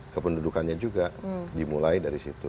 kependudukannya juga dimulai dari situ